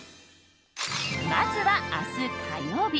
まずは明日、火曜日。